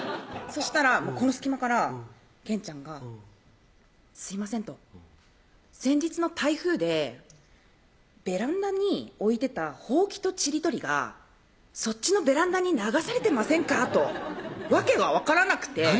そしたらこの隙間からげんちゃんが「すいません」と「先日の台風でベランダに置いてたほうきとちり取りがそっちのベランダに流されてませんか？」と訳が分からなくて何？